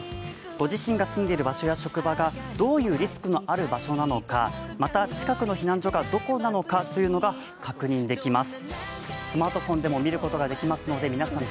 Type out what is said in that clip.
ご自身が住んでいる場所や職場がどういうリスクがある場所なのかまた、近くの避難所がどこなのかというのが確認できます。